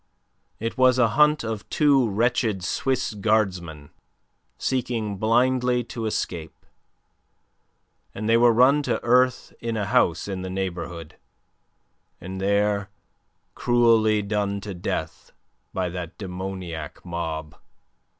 It was a hunt of two wretched Swiss guardsmen seeking blindly to escape. And they were run to earth in a house in the neighbourhood, and there cruelly done to death by that demoniac mob.